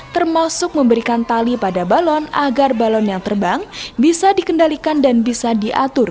termasuk memberikan tali pada balon agar balon yang terbang bisa dikendalikan dan bisa diatur